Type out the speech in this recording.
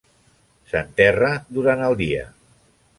S'enterra durant el dia.